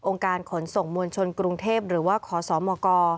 การขนส่งมวลชนกรุงเทพหรือว่าขอสมก